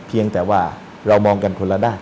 เพียงแต่ว่าเรามองกันคนละด้าน